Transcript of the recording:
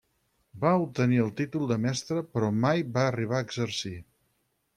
Va obtenir el títol de mestra però mai va arribar a exercir.